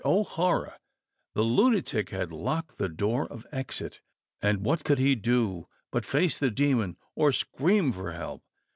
But, O horror ! the lunatic had locked the door of exit, and what could he do but face tlie demon or scream for help